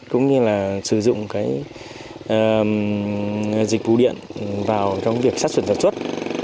cũng như là sử dụng dịch vụ điện vào trong việc sát sưởng sản xuất